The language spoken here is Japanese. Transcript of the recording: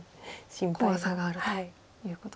怖さがあるということですね。